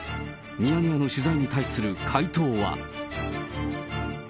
ミヤネ屋の取材に対する回答は。